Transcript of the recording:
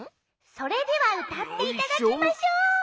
それではうたっていただきましょう。